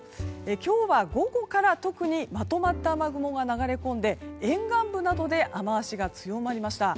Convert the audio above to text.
今日は、午後から特にまとまった雨雲が流れ込んで沿岸部などで雨脚が強まりました。